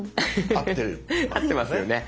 合ってますよね。